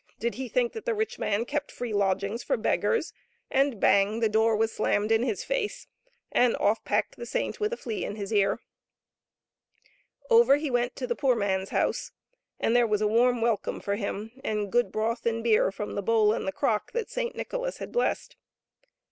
Did he think that the rich man kept free lodgings for beggars? And — bang !— the door was slammed in his face, and off packed the saint with a flea in his ear. Over he went to the poor man's house, and there was a warm welcome for him, and good broth and beer from the bowl and the crock that Saint Nicholas had blessed.